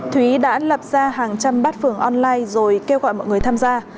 thúy đã lập ra hàng trăm bát phở online rồi kêu gọi mọi người tham gia